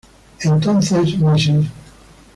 Entonces Mrs.